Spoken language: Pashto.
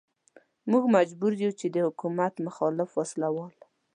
موږ مجبور يو چې د حکومت مخالف وسله وال.